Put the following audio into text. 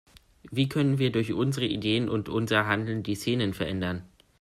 Wie können wir durch unsere Ideen und unser Handeln die Szenen verändern?